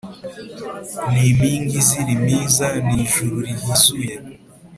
Ni impinga izira impiza Ni ijuru rihizuye